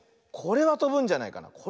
これはとぶんじゃないかな。